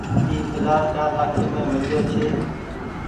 اي پلآٽ چآر لآکي مين ميليو ڇي ۔